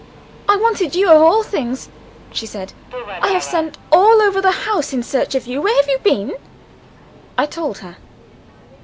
"I wanted you of all things," she said. "I have sent all over the house in search of you. Where have you been?" I told her.